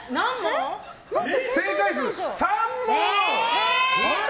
正解数は３問！